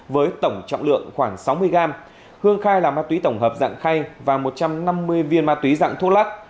với tổng trọng lượng khoảng sáu mươi gram hương khai là ma túy tổng hợp dạng khay và một trăm năm mươi viên ma túy dạng thuốc lắc